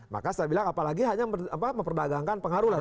maka saya bilang apalagi hanya memperdagangkan pengaruh lah